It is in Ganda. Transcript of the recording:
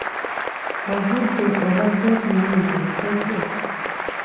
Obudde obadde okimanyi nti bukedde?